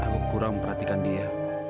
aku kurang memperhatikan dia